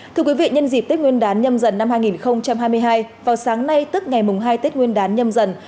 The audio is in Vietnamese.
thưa quý vị nhân dịp tết nguyên đán nhâm dần năm hai nghìn hai mươi hai vào sáng nay tức ngày mùng hai tết nguyên đán nhâm dần